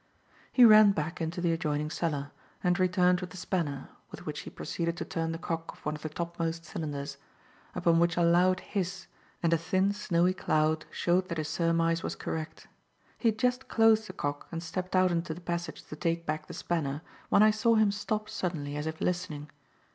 He ran back into the adjoining cellar, and returned with the spanner, with which he proceeded to turn the cock of one of the topmost cylinders; upon which a loud hiss and a thin, snowy cloud showed that his surmise was correct. He had just closed the cock and stepped out into the passage to take back the spanner, when I saw him stop suddenly as if listening.